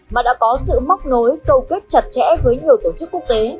mà đã có sự móc nối câu kết chặt chẽ với nhiều tổ chức quốc tế